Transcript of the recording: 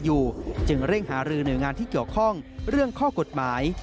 อยู่จึงเร่งหารือหน่วยงานที่เกี่ยวข้องเรื่องข้อกฎหมาย